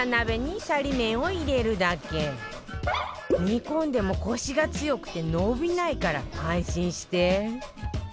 煮込んでもコシが強くて伸びないから安心して